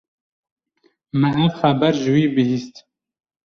Me ev xeber ji wî bihîst.